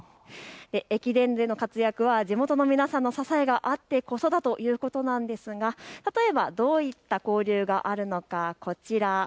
駅伝での活躍は地元の皆さんの支えがあってこそだということなんですが、例えばどういった交流があるのか、こちら。